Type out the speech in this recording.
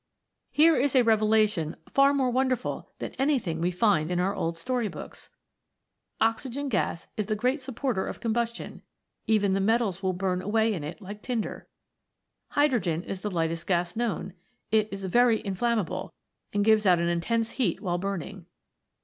Here is a revelation far more wondei'ful than anything we find in our old story books ! Oxygen gas is the great supporter of combustion ; even the metals will burn away in it like tinder. Hydrogen is the lightest gas known ; it is very in flammable, and gives out an intense heat while burning.